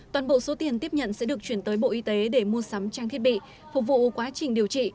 toàn bộ số tiền tiếp nhận sẽ được chuyển tới bộ y tế để mua sắm trang thiết bị phục vụ quá trình điều trị